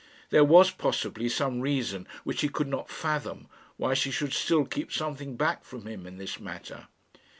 There was, possibly, some reason which he could not fathom why she should still keep something back from him in this matter.